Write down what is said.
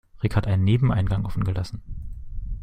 Rick hat einen Nebeneingang offen gelassen.